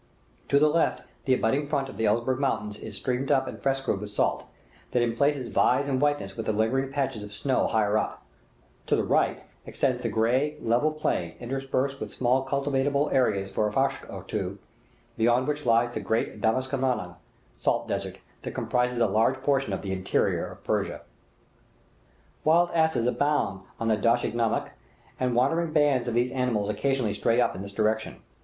To the left, the abutting front of the Elburz Mountains is streaked and frescoed with salt, that in places vies in whiteness with the lingering patches of snow higher up; to the right extends the gray, level plain, interspersed with small cultivable areas for a farsakh or two, beyond which lies the great dasht i namek (salt desert) that comprises a large portion of the interior of Persia. Wild asses abound on the dasht i namek, and wandering bands of these animals occasionally stray up in this direction.